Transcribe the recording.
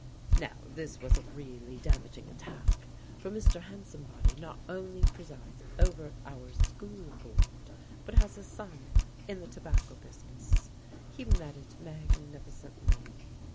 Now this was a really damaging attack, for Mr. Hansombody not only presides over our School Board, but has a son in the tobacco business. He met it magnificently.